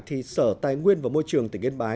thì sở tài nguyên và môi trường tỉnh yên bái